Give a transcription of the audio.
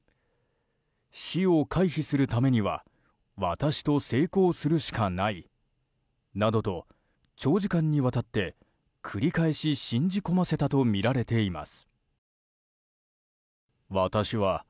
死を回避するためには私と性交するしかないなどと長時間にわたって繰り返し信じ込ませたとみられています。